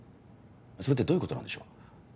それってどういうことなんでしょう？